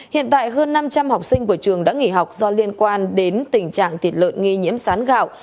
hiện tại hơn năm trăm linh học sinh của trường đã nghỉ học do liên quan đến tình trạng thịt lợn nghi nhiễm sán gạo